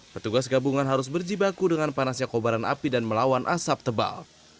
petugas gabungan harus berjibaku dengan panasnya kobaran api dan melawan asap tebal